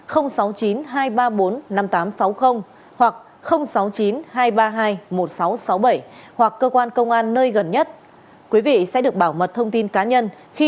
hoặc sáu mươi chín hai trăm ba mươi hai một nghìn sáu trăm sáu mươi bảy hoặc cơ quan công an nơi gần nhất quý vị sẽ được bảo mật thông tin cá nhân khi